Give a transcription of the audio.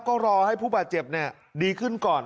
ก็รอให้ผู้บาดเจ็บดีขึ้นก่อน